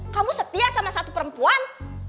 kamu setia sama satu perempuan